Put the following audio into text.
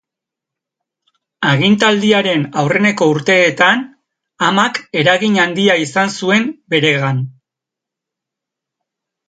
Agintaldiaren aurreneko urteetan amak eragin handia izan zuen beregan.